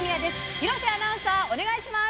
廣瀬アナウンサー、お願いします。